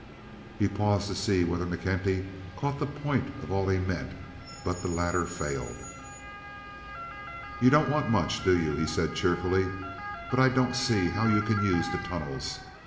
He paused to see whether McKenty caught the point of all he meant, but the latter failed. "You don't want much, do you?" he said, cheerfully. "But I don't see how you can use the tunnels.